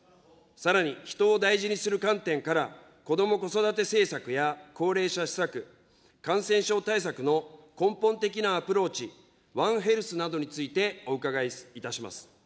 さらに人を大事にする観点から、こども・子育て政策や高齢者施策、感染症対策の根本的なアプローチ、ワンヘルスなどについてお伺いいたします。